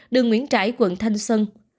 đường nguyễn trãi quận thanh xuân